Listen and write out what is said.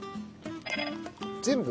全部？